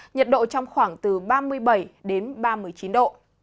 nhiệt độ trong khoảng từ ba mươi bảy đến ba mươi chín độ